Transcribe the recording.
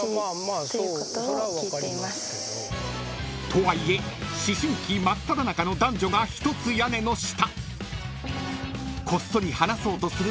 ［とはいえ思春期真っただ中の男女が一つ屋根の下］